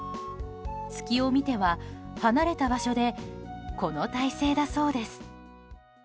隙を見ては、離れた場所でこの体勢だそうです。